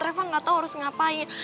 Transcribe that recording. reva gak tau harus ngapain